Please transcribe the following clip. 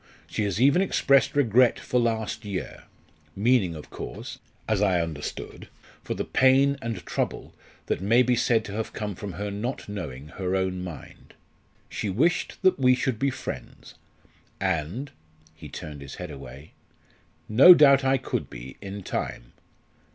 She has even expressed regret for last year meaning, of course, as I understood, for the pain and trouble that may be said to have come from her not knowing her own mind. She wished that we should be friends. And" he turned his head away "no doubt I could be, in time....